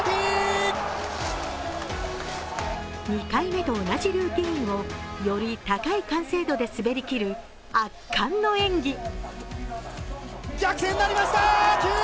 ２回目と同じルーティンを、より高い完成度で滑りきる圧巻の演技。